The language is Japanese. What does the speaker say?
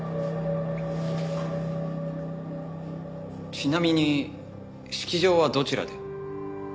ちなみに式場はどちらで？